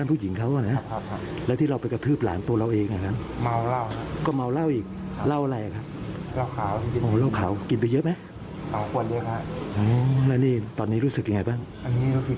อ๋อสรุปแล้ววิชาที่มีใช้ไม่ได้